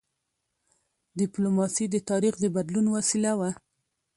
ډيپلوماسي د تاریخ د بدلون وسیله وه.